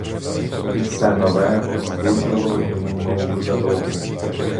І все нове збуджувало йому нову жадобу.